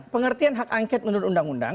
pengertian hak angket menurut undang undang